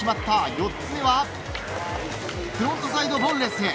４つ目はフロントサイドボンレス。